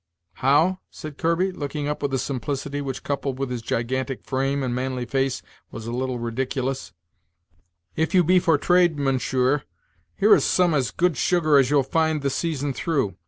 "How?" said Kirby, looking up with a simplicity which, coupled with his gigantic frame and manly face, was a little ridiculous, "if you be for trade, mounsher, here is some as good sugar as you'll find the season through.